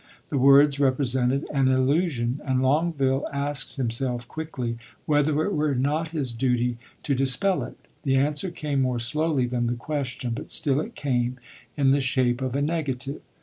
The words represented an illusion, and Longueville asked himself quickly whether it were not his duty to dispel it. The answer came more slowly than the question, but still it came, in the shape of a negative.